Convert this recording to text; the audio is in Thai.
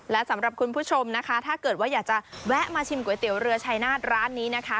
และสำหรับคุณผู้ชมนะคะถ้าเกิดว่าอยากจะแวะมาชิมก๋วยเตี๋ยวเรือชายนาฏร้านนี้นะคะ